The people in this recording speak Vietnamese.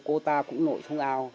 cô ta cũng nội xuống ào